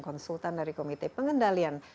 konsultan dari komite pengendalian